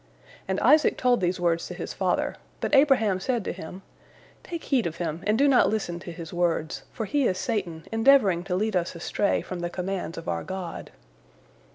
And Isaac told these words to his father, but Abraham said to him, "Take heed of him, and do not listen to his words, for he is Satan endeavoring to lead us astray from the commands of our God."